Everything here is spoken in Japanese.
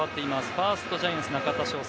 ファーストはジャイアンツ、中田翔。